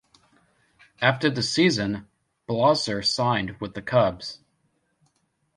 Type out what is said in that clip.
After the season, Blauser signed with the Cubs.